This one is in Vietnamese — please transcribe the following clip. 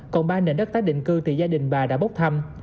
còn ba nền đất tái định cư thì gia đình bà đã bốc thăm